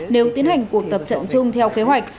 nếu tiến hành cuộc tập trận chung theo kế hoạch